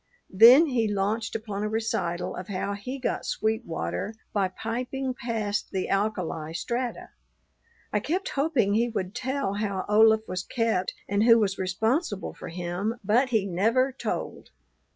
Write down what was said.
Then he launched upon a recital of how he got sweet water by piping past the alkali strata. I kept hoping he would tell how Olaf was kept and who was responsible for him, but he never told.